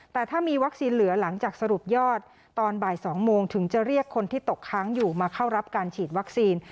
แต่ถ้ามีวัคซีนเหลือหลังจากสรุปยอดตอนบ่าย๒โมงถึงจะเรียกคนที่ตกค้างอยู่มาเข้ารับการฉีดวัคซีน